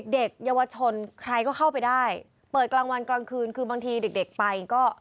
เด็กเยาวชนใครก็เข้าไปได้เปิดกลางวันกลางคืนคือบางทีเด็กเด็กไปก็